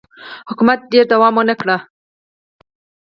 حکومت یې ډېر دوام ونه کړ